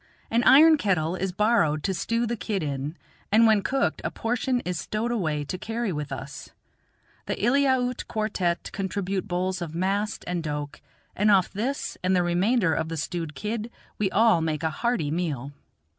An iron kettle is borrowed to stew the kid in, and when cooked a portion is stowed away to carry with us. The Eliaute quartette contribute bowls of mast and doke, and off this and the remainder of the stewed kid we all make a hearty meal.